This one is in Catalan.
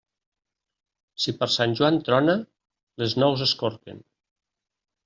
Si per Sant Joan trona, les nous es corquen.